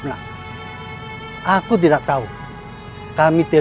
ada apa ini